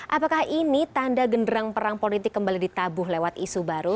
apakah ini tanda genderang perang politik kembali ditabuh lewat isu baru